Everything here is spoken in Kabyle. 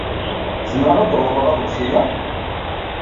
Zemreɣ ad reḍleɣ aḍebsi-a?